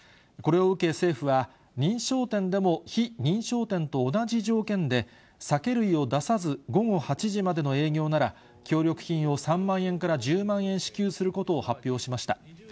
これを受け政府は、認証店でも非認証店と同じ条件で、酒類を出さず、午後８時までの営業なら、協力金を３万円から１０万円支給することを発表しました。